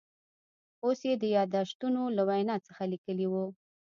اوس یې د یاداشتونو له وینا څخه لیکلي و.